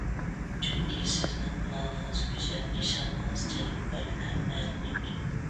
چۈنكى سىزنىڭ پىلانىڭىز گۈزەل، نىشانىڭىز جەلپكار ھەم مەنىلىك.